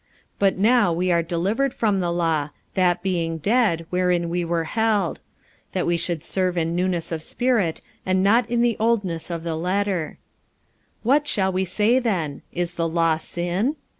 45:007:006 But now we are delivered from the law, that being dead wherein we were held; that we should serve in newness of spirit, and not in the oldness of the letter. 45:007:007 What shall we say then? Is the law sin?